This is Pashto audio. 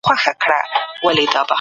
ټولنيز عدالت هېرول ښه کار نه دی.